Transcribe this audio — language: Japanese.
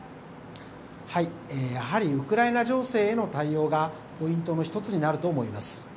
やはりウクライナ情勢への対応がポイントの１つになると思います。